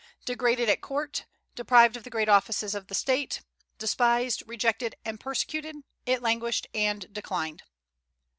Degraded at court, deprived of the great offices of the state, despised, rejected, and persecuted, it languished and declined.